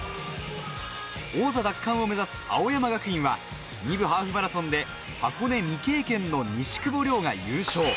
王座奪還を目指す青山学院は、２部ハーフマラソンで箱根未経験の西久保遼が優勝。